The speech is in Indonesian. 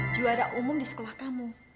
juara umum di sekolah kamu